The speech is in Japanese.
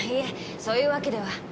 そういうわけでは。